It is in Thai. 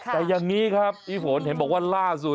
แต่อย่างนี้ครับพี่ฝนเห็นบอกว่าล่าสุด